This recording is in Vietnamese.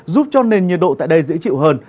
giúp cho nền nhiệt độ tại đây dễ chịu hơn